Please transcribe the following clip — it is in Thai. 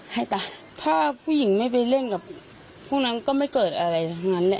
ให้ตายถ้าผู้หญิงไม่ไปเล่นกับพวกนั้นก็ไม่เกิดอะไรทั้งนั้นแหละ